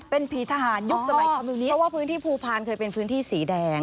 เพราะว่าพื้นที่ภูพานเคยเป็นพื้นที่สีแดง